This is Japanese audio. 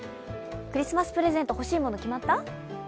クリスマスプレゼント欲しいもの決まった？